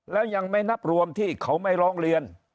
แล้วยังไม่นับรวมที่เขาไม่ร้องเรียน